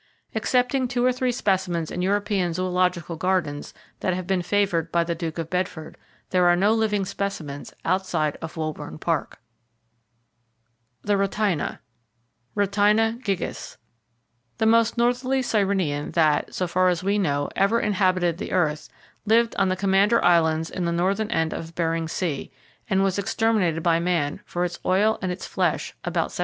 Excepting two or three specimens in European zoological gardens that have been favored by the Duke of Bedford, there are no living specimens outside of Woburn Park. SKELETON OF A RHYTINA, OR ARCTIC SEA COW In the United States National Museum The Rhytina, (Rhytina gigas). —The most northerly Sirenian that (so far as we know) ever inhabited the earth, lived on the Commander Islands in the northern end of Behring Sea, and was exterminated by man, for its oil and its flesh, about 1768.